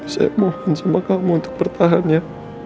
saya mohon sama kamu untuk bertahan ya